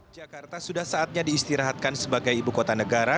jakarta sudah saatnya diistirahatkan sebagai ibu kota negara